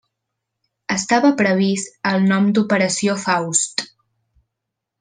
Estava previst el nom d'Operació Faust.